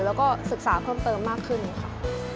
แล้วก็ศึกษาเพิ่มเติมมากขึ้นค่ะ